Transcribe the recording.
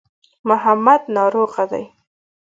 محمد ناروغه دی.